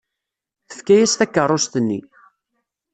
Tefka-as takeṛṛust-nni.